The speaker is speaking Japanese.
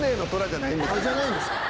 じゃないんですか？